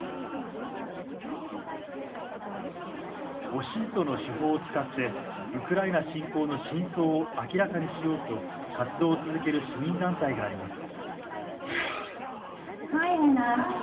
オシントの手法を使ってウクライナ侵攻の真相を明らかにしようと活動を続ける市民団体があります。